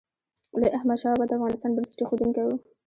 لوی احمدشاه بابا د افغانستان بنسټ ایښودونکی و.